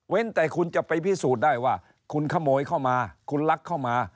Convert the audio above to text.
แต่คุณจะไปพิสูจน์ได้ว่าคุณขโมยเข้ามาคุณลักเข้ามา